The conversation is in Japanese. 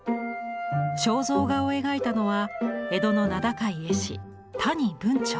肖像画を描いたのは江戸の名高い絵師